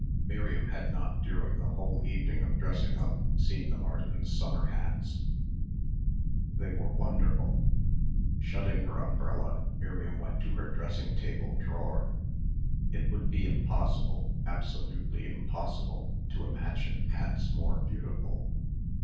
Miriam had not during the whole evening of dressing up seen the Martins' summer hats.... They were wonderful. Shutting her umbrella Miriam went to her dressing table drawer.... It would be impossible, absolutely impossible ... to imagine hats more beautiful....